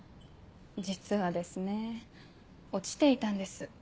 実はですね落ちていたんです。